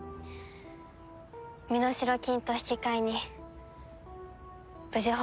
身代金と引き換えに無事保護されて。